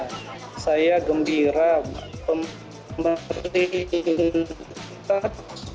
masih banyak hal bisa kita lakukan dengan baca